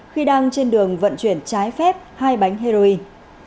khi đang trên đường vận chuyển trái phép hai bánh heroin